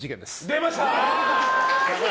出ました！